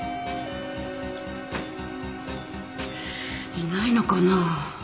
いないのかな。